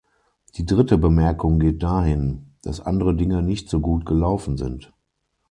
Die dritte Bemerkung geht dahin, dass andere Dinge nicht so gut gelaufen sind.